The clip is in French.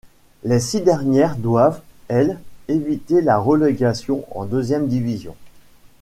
Les six dernières doivent, elles, éviter la relégation en deuxième division.